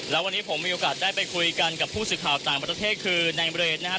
แล้ววันนี้ผมมีโอกาสได้ไปคุยกันกับผู้สื่อข่าวต่างประเทศคือในบริเวณนะครับ